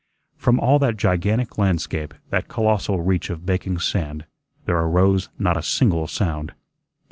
From all that gigantic landscape, that colossal reach of baking sand, there arose not a single sound.